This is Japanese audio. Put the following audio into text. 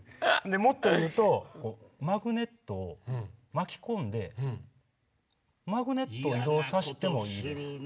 もっと言うとマグネットを巻き込んでマグネットを移動させてもいいんです。